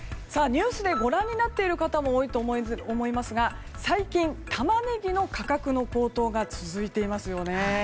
ニュースでご覧になっている方も多いと思いますが最近、タマネギの価格の高騰が続いていますよね。